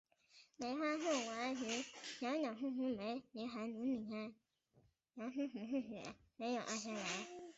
迈斯基村委员会是俄罗斯联邦阿穆尔州马扎诺沃区所属的一个村委员会。